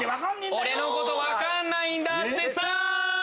「俺のこと分かんないんだってさ」。